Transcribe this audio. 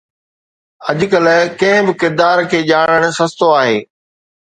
اڄڪلهه ڪنهن به ڪردار کي ڄاڻڻ سستو آهي